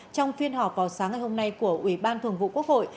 trong phiên họp vào sáng ngày hôm nay của ủy ban thường vụ quốc hội